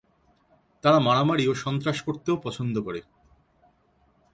তারা মারামারি ও সন্ত্রাস করতেও পছন্দ করে।